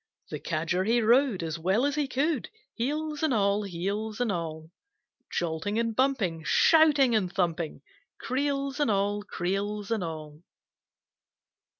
The Cadger he rode As well as he could, Heels and all, heels and all, Jolting and bumping, Shouting and thumping, Creels and all, creels and all.